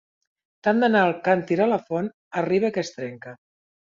Tant d'anar el càntir a la font, arriba que es trenca.